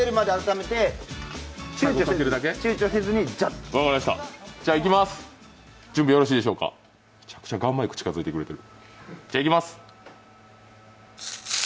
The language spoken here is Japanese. むちゃくちゃガンマイク近づいてくれてる。